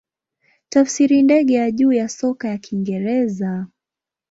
Tafsiri ndege ya juu ya soka ya Kiingereza.